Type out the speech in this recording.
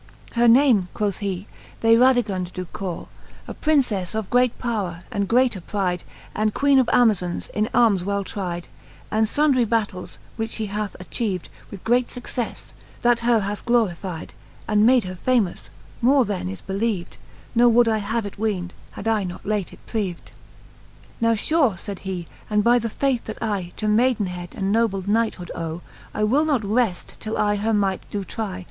Her name, quoth he, they Radigund doe call, A princelTe of great powre, and greater pride, And Queene of Amazons, in armes well tride, And fundry battels, which fhe hath atchieved With great fucceiTe, that her hath glorifide, And made her famous, more then is believed ; Ne would I it have ween'd, had I not late it prieved. XXXIV. Now fure, fayd he_, and by the faith, that I To maydenhead and noble knighthood owe, I will not reft, till I her might doe trie.